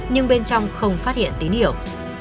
nhưng bên trong không phát hiện tín hiệu